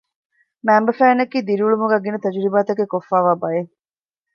މައިންބަފައިންނަކީ ދިރިއުޅުމުގައި ގިނަ ތަޖުރިބާތަކެއް ކޮށްފައިވާ ބައެއް